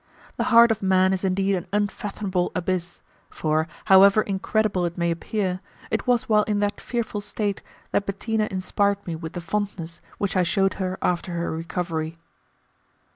The heart of man is indeed an unfathomable abyss, for, however incredible it may appear, it was while in that fearful state that Bettina inspired me with the fondness which I showed her after her recovery.